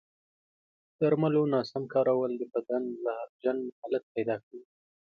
د درملو ناسم کارول د بدن زهرجن حالت پیدا کوي.